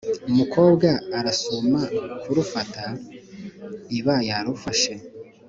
umukobwa arasuma kurufata, iba yarufashe.